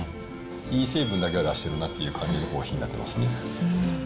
いい成分だけを出しているなっていう感じのコーヒーになってますね。